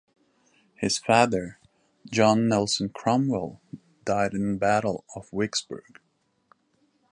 His father, John Nelson Cromwell, died in the Battle of Vicksburg.